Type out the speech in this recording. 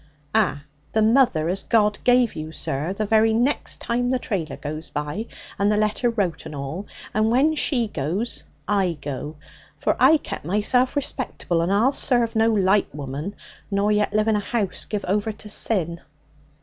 'Ah. The mother as God give you, sir, the very next time the trailer goes by, and the letter wrote and all. And when she goes, I go. For I've kep' myself respectable, and I'll serve no light woman, nor yet live in a house give over to sin.'